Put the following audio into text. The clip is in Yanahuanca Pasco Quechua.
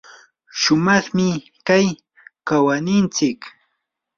shumaqmi kay kawaynintsik.